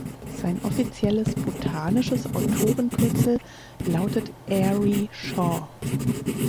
Sein offizielles botanisches Autorenkürzel lautet „Airy Shaw“.